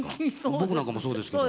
僕なんかもそうですけど。